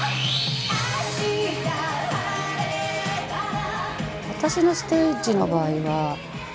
「明日晴れたら」